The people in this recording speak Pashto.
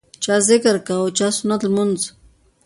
چا ذکر کاوه او چا سنت لمونځ.